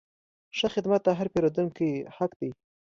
ښه خدمت د هر پیرودونکي حق دی.